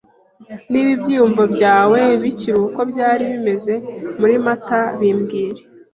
Niba ibyiyumvo byawe bikiri uko byari bimeze muri mata bimbwire.